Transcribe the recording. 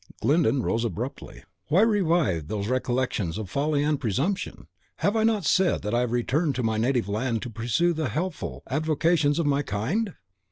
Glyndon rose abruptly. "Why revive those recollections of folly and presumption? Have I not said that I have returned to my native land to pursue the healthful avocations of my kind!